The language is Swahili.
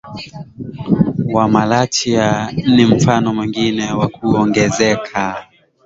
wa Malatya ni mfano mwengine wa kuongezeka